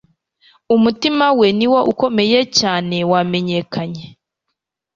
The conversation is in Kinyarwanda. umutima we niwo ukomeye cyane wamenyekanye